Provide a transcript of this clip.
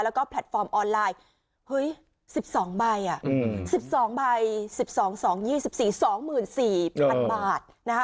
แล้วก็แพลตฟอร์มออนไลน์๑๒ใบ๑๒๒๒๔๒๔๐๐๐บาท